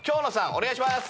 お願いします